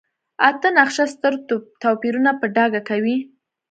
اته نقشه ستر توپیرونه په ډاګه کوي.